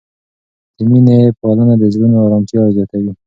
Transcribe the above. د مینې پالنه د زړونو آرامتیا زیاتوي.